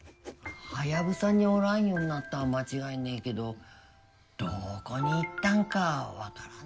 ハヤブサにおらんようになったんは間違いねえけどどこに行ったんかはわからんなあ。